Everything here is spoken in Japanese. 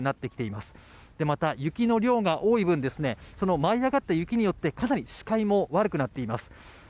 また雪の量が多い分、その舞い上がった雪によって、かなり視界も悪くなっています。